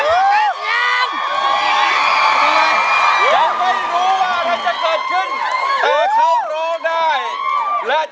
ว่าสุดร้าย